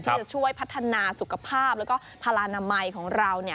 จะช่วยพัฒนาสุขภาพแล้วก็พลานามัยของเรา